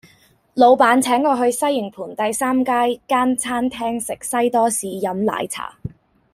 老闆請我去西營盤第三街間餐廳食西多士飲奶茶